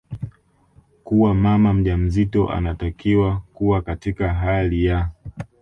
kuwa mama mjamzito anatakiwa kuwa katika hali ya